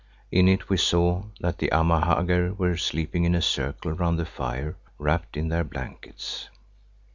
In it we saw that the Amahagger were sleeping in a circle round the fire wrapped in their blankets.